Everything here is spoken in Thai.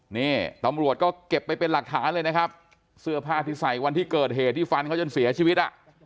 นี่ตำรวจก็เก็บไปเป็นหลักฐานเลยนะครับเสื้อผ้าที่ใส่วันที่เกิดเหตุที่ฟันเขาจนเสียชีวิตอ่ะ